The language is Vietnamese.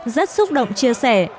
rất xúc động chia sẻ